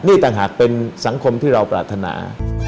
นี่ต่างหากเป็นสังคมที่เราปรารถนา